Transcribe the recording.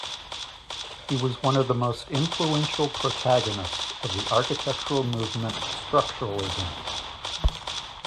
He was one of the most influential protagonists of the architectural movement Structuralism.